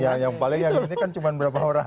ya yang paling yang ini kan cuma beberapa orang ya